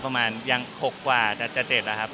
ประมาณยัง๖กว่าจะ๗นะครับ